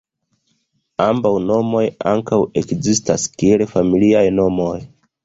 Ambaŭ nomoj ankaŭ ekzistas kiel familiaj nomoj.